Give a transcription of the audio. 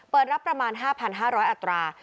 เปิดรับประมาณ๕๕๐๐อัตรา